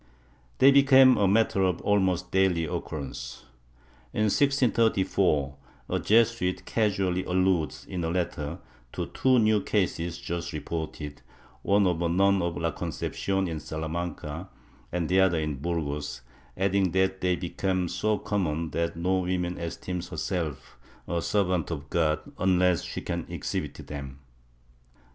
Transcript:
They became a matter of almost daily occurrence. In 1634 a Jesuit casually alludes in a letter to two new cases j ust reported — one of a nun of la Concep cion in Salamanca and the other in Burgos — adding that they had become so common that no woman esteems herself a servant of God unless she can exhibit them.